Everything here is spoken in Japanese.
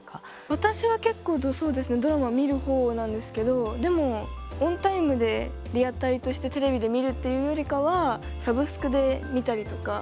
私は、結構そうですねドラマは見る方なんですけどでも、オンタイムでリアタイとしてテレビで見るっていうよりかはサブスクで見たりとか。